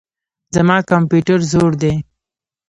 زما کمپيوټر زوړ دئ.